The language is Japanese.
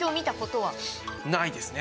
ないですね。